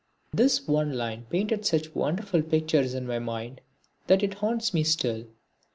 This one line painted such wonderful pictures in my mind that it haunts me still.